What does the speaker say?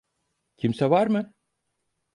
Kimse var mı?